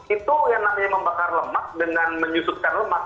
itu yang namanya membakar lemak dengan menyusutkan lemak